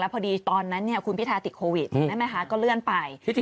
พอดีตอนนั้นคุณพิทาติดโควิดได้ไหมคะก็เลื่อนไป